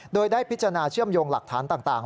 โดยได้พิจารณาเชื่อมโยงหลักฐานต่าง